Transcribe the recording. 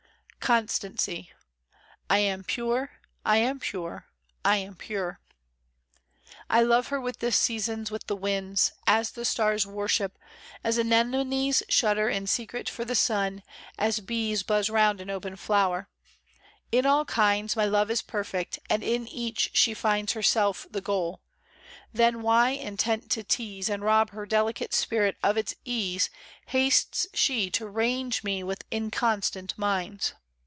CONSTANCY. '* I am pure! I am pure I I am pure I" I LOVE her with the seasons, with the winds, As the stars worship, as anemones Shudder in secret for the sun, as bees Buzz round an open flower : in all kinds My love is perfect, and in each she finds Herself the goal ; then why, intent to tease And rob her delicate spirit of its ease Hastes she to range me with inconstant minds ?